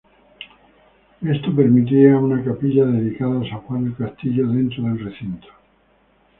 Esto permitía una capilla dedicada a San Juan del castillo dentro del recinto.